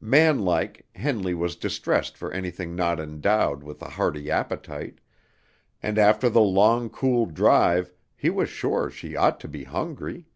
Manlike, Henley was distressed for anything not endowed with a hearty appetite, and after the long cool drive he was sure she ought to be hungry.